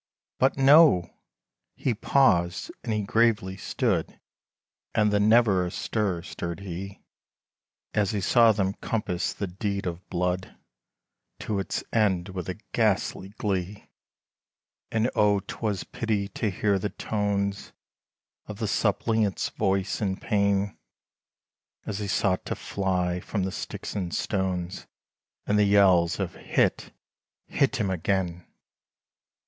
But no! He paused, and he gravely stood, And the never a stir, stirred he, As he saw them compass the deed of blood, To its end with a ghastly glee, And O 'twas pity to hear the tones, Of the suppliant's voice in pain, As he sought to fly from the sticks and stones, And the yells of "Hit, hit him again!"